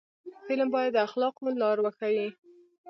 فلم باید د اخلاقو لار وښيي